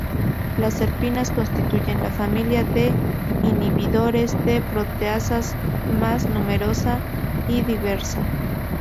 Las serpinas constituyen la familia de inhibidores de proteasas más numerosa y diversa.